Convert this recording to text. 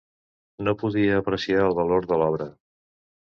No podia apreciar el valor de l'obra.